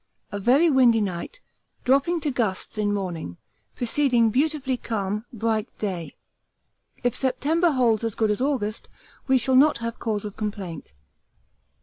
A very windy night, dropping to gusts in morning, preceding beautifully calm, bright day. If September holds as good as August we shall not have cause of complaint.